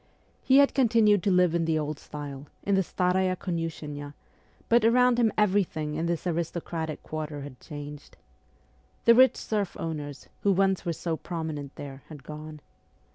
He had continued to live in the old style, in the Staraya Komishennaya, but around him everything in this aristocratic quarter had changed. The rich serf owners, who once were so prominent there, had gone.